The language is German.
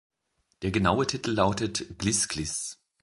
Der genaue Titel lautet: "Glis-Glis.